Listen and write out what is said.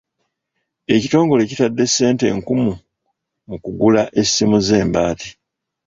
Ekitongole kitadde ssente nkumu mu kugula essimu z'embaati.